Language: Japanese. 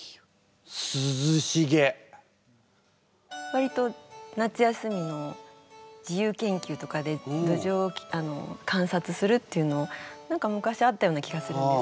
わりと夏休みの自由研究とかでどじょうを観察するっていうのを何か昔あったような気がするんですね。